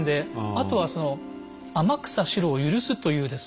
あとはその「天草四郎を許す」というですね